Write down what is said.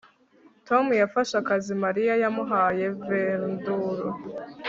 Tom yafashe akazi Mariya yamuhaye verdulo